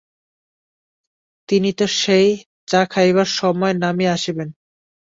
তিনি তো সেই চা খাইবার সময় নামিয়া আসিবেন।